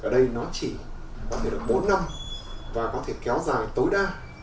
ở đây nó chỉ có thể được bốn năm và có thể kéo dài tối đa